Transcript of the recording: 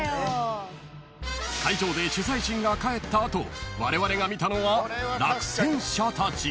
［会場で取材陣が帰った後われわれが見たのは落選者たち］